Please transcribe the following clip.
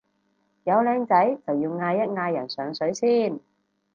有靚仔就要嗌一嗌人上水先